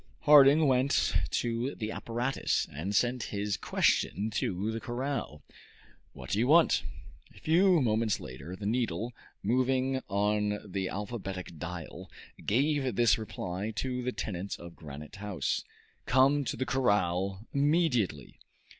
Harding went to the apparatus, and sent this question to the corral: "What do you want?" A few moments later the needle, moving on the alphabetic dial, gave this reply to the tenants of Granite House: "Come to the corral immediately."